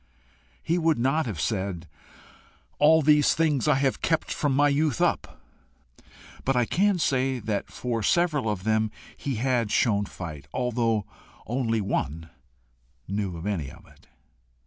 He would not have said: "All these have I kept from my youth up;" but I can say that for several of them he had shown fight, although only One knew anything of it.